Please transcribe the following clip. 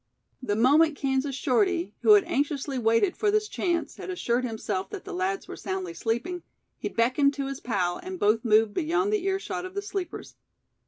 The moment Kansas Shorty, who had anxiously waited for this chance, had assured himself that the lads were soundly sleeping, he beckoned to his pal and both moved beyond the earshot of the sleepers.